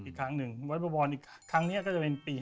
อีกครั้งนึงวัดบวรอีกครั้งก็จะเป็นปี๕๐